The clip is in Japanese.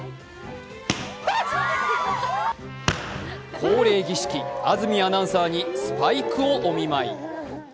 恒例儀式、安住アナウンサーにスパイクをお見舞い。